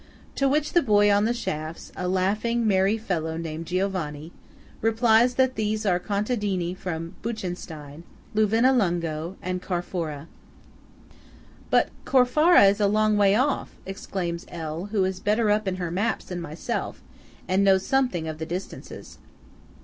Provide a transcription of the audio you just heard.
To which the boy on the shafts–a laughing, merry fellow named Giovanni–replies that these are contadine from Buchenstein, Luvinallungo, and Corfara. "But Corfara is a long way off!" exclaims L., who is better up in her maps than myself, and knows something of the distances.